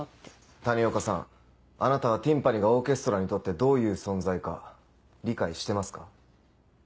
谷岡さんあなたはティンパニがオーケストラにとってどういう存在か理解してますか？